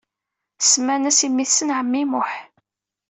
Semman-as i mmi-tsen ɛemmi Muḥ.